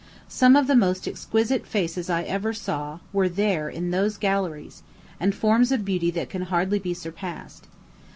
Some of the most exquisite faces I ever saw were there in those galleries, and forms of beauty that can hardly be surpassed.